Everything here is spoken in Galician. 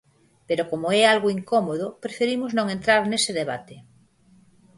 Pero como é algo incómodo, preferimos non entrar nese debate.